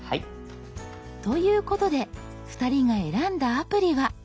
ということで２人が選んだアプリは？